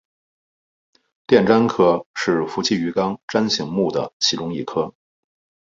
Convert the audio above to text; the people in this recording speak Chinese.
电鲇科是辐鳍鱼纲鲇形目的其中一科。